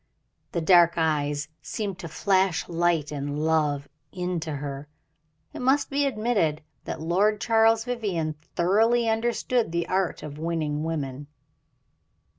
The dark eyes seemed to flash light and love into her own. It must be admitted that Lord Charles Vivianne thoroughly understood the art of winning women.